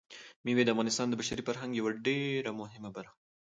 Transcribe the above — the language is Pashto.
مېوې د افغانستان د بشري فرهنګ یوه ډېره مهمه برخه ده.